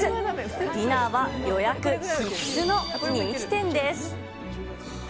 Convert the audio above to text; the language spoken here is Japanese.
ディナーは予約必須の人気店です。